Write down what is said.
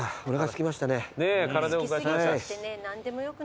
すき過ぎちゃってね